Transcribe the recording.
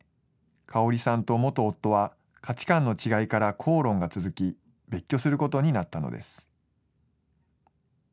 香さんと元夫は、価値観の違いから口論が続き、別居することになったのです。